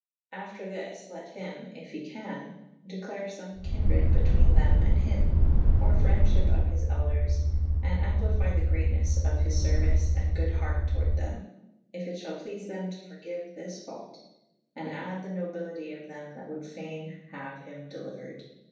After this let hym (yf he can) declare fome kynred betwene thew? & hym / or f rendf hyp of his elders /& amplifye the greatenes of his feruice & good harte towarde them / yf it fhall pleafe them to forgiue this faut /& adde the nobylity of tnem that would fayne haue hym delyuered.